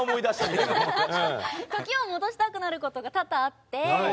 時を戻したくなることが多々あって。